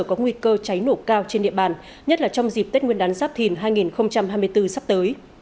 có nguy cơ cháy nổ cao trên địa bàn nhất là trong dịp tết nguyên đán giáp thìn hai nghìn hai mươi bốn sắp tới